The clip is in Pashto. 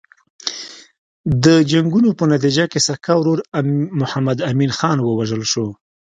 د جنګونو په نتیجه کې سکه ورور محمد امین خان ووژل شو.